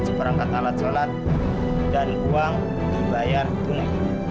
seperangkat alat sholat dan uang dibayar tunai